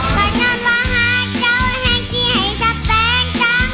ตอนนั้นว่าหาเจ้าแห่งที่ให้จะแปลงจัง